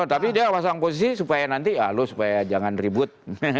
tapi dia pasang posisi supaya nanti halo supaya jangan ribut